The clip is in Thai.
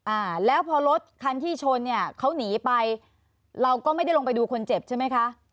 อ่าแล้วพอรถคันที่ชนเนี่ยเขาหนีไปเราก็ไม่ได้ลงไปดูคนเจ็บใช่ไหมคะ